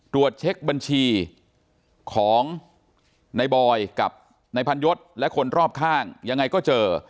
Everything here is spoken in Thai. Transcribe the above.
ตรวจเช็คบัญชีของในบอยกับนายพันยศและคนรอบข้างยังไงก็เจอ